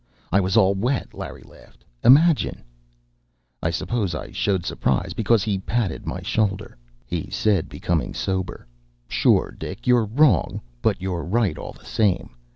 "I was all wet," Larry laughed. "Imagine!" I suppose I showed surprise, because he patted my shoulder. He said, becoming sober, "Sure, Dick, you're wrong, but you're right all the same.